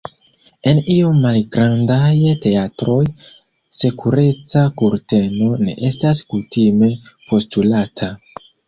En iom malgrandaj teatroj, sekureca kurteno ne estas kutime postulata.